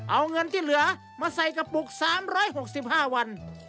เอาเงินที่เหลือมาใส่กระปุก๓๖๕วัน